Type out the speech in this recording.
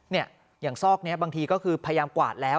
เนี่ยอย่างซอกนี้บางทีก็คือพยายามกวาดแล้ว